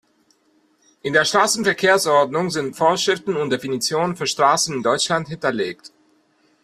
In der Straßenverkehrsordnung sind Vorschriften und Definitionen für Straßen in Deutschland hinterlegt.